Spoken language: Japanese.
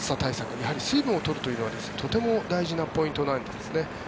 やはり水分というのはとても大事なポイントなんですね。